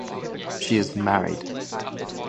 She is Married.